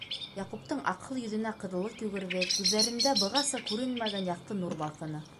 Яҡуптың аҡһыл йөҙөнә ҡыҙыллыҡ йүгерҙе, күҙҙәрендә бығаса күренмәгән яҡты нур балҡыны.